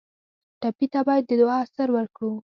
ټپي ته باید د دعا اثر ورکړو.